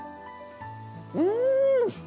うん！